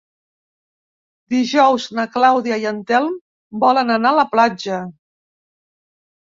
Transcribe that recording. Dijous na Clàudia i en Telm volen anar a la platja.